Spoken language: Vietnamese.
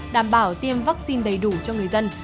đảm bảo tiêm vaccine đầy đủ cho người dân